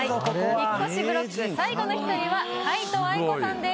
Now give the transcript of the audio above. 「引越し」ブロック最後の１人は皆藤愛子さんです。